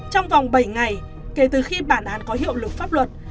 trong vòng bảy ngày kể từ khi bản án có hiệu lực pháp luật